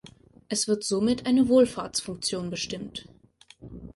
Es wird somit eine Wohlfahrtsfunktion bestimmt.